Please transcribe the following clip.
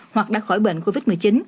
hoặc đã khỏi bệnh covid một mươi chín